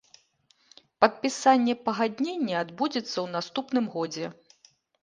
Падпісанне пагаднення адбудзецца ў наступным годзе.